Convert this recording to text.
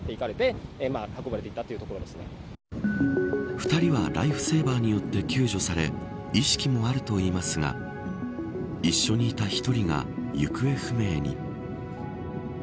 ２人はライフセーバーによって救助され意識もあるといいますが一緒にいた１人が行方不明に。